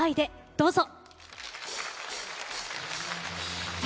どうぞ。